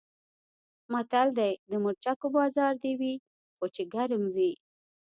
متل دی: د مرچکو بازار دې وي خو چې ګرم وي.